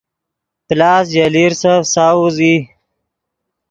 پلاس ژے لیرسف ساؤز ای